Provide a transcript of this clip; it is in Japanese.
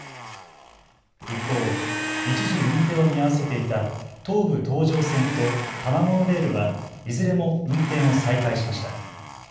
一方、一時運転を見合わせていた東武東上線と多摩モノレールはいずれも運転を再開しました。